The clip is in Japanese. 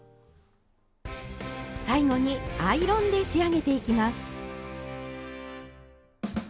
最後にアイロンで仕上げていきます。